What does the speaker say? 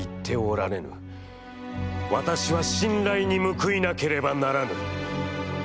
私は、信頼に報いなければならぬ。